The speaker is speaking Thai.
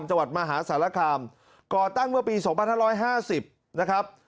จังหวัดมหาสารคามก่อตั้งเมื่อปี๒๕๕๐นะครับ